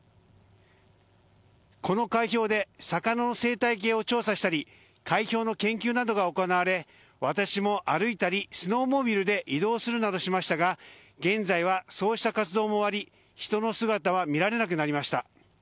この海氷で魚の生態系を調査したり海氷の研究などが行われ私も歩いたり、スノーモービルで移動するなどしましたが現在はそうした活動も終わり人の姿は見られなくなりました。